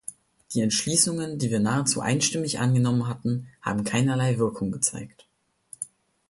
Die Entschließungen, die wir nahezu einstimmig angenommen hatten, haben keinerlei Wirkung gezeigt.